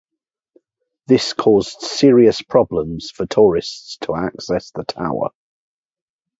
This caused serious problems for tourists to access the tower.